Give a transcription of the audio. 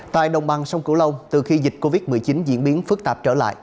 tại đồng bằng sông cửu long từ khi dịch covid một mươi chín diễn biến phức tạp trở lại